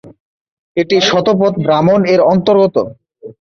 এটি "শতপথ ব্রাহ্মণ"-এর অন্তর্গত।